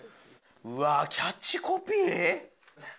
うわキャッチコピー？